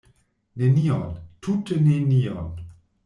Nenion, tute nenion!